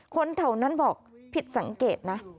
คนแถวนั้นบอกผิดสังเกตนะ